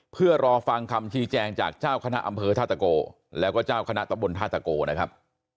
เพื่อรอฟังคำชี้แจงจากเจ้าคณะอำเภอธาตะโกแล้วก็เจ้าคณะตะบนท่าตะโกนะครับ